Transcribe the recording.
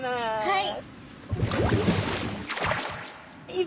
はい。